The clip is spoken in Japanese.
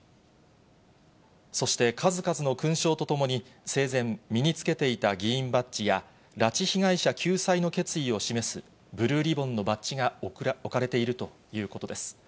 そして、数々の勲章とともに、生前、身につけていた議員バッジや、拉致被害者救済の決意を示すブルーリボンのバッジが置かれているということです。